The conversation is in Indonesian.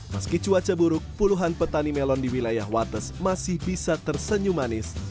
meski cuaca buruk puluhan petani melon di wilayah wates masih bisa tersenyum manis